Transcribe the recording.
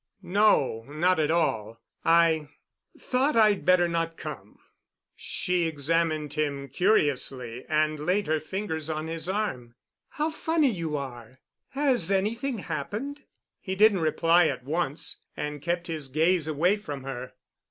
"No, not at all. I—thought I'd better not come." She examined him curiously, and laid her fingers on his arm. "How funny you are? Has anything happened?" He didn't reply at once, and kept his gaze away from her.